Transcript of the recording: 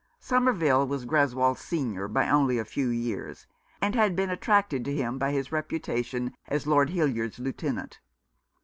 Somerville was Greswold's senior by only a few years, and had been attracted to him by his reputation as Lord Hildyard's lieutenant.